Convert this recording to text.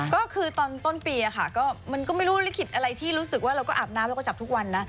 ก็คือตอนต้นปีค่ะก็มันก็ไม่รู้ลิขิตอะไรที่รู้สึกว่าเราก็อาบน้ำเราก็จับทุกวันนะ